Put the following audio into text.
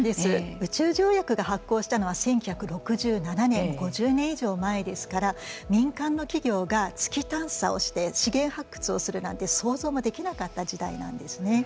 宇宙条約が発効したのは１９６７年５０年以上前ですから民間の企業が月探査をして資源発掘をするなんて想像もできなかった時代なんですね。